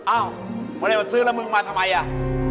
อ้าวไม่ได้มาซื้อแล้วมึงมาทำไมอ่ะ